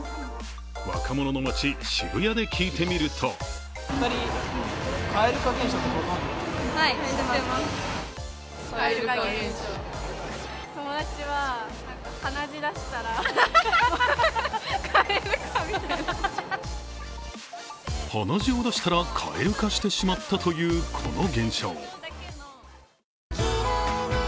若者の街、渋谷で聞いてみると鼻血を出したら蛙化してしまったという、この現象。